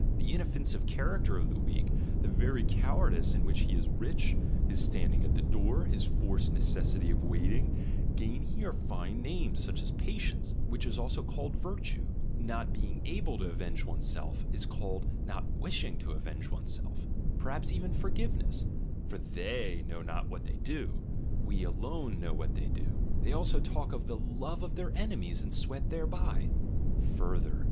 The inoffensive character of the weak, the very cowardice in which he is rich, his standing at the door, his forced necessity of waiting, gain here fine names, such as 'patience,' which is also called 'virtue 1 ; not being able to avenge one's self, is called not wishing to avenge one's self, perhaps even forgiveness (for they know not what they do — we alone know what they do). They also talk of the 'love of their enemies' and sweat thereby." Further!